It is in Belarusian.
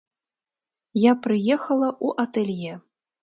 Я прыехала ў атэлье.